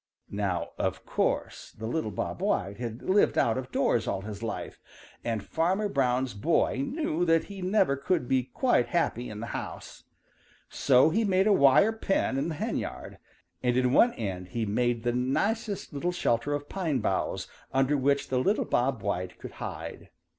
Now of course the little Bob White had lived out of doors all his life, and Farmer Brown's boy knew that he never could be quite happy in the house. So he made a wire pen in the henyard, and in one end he made the nicest little shelter of pine boughs under which the little Bob White could hide.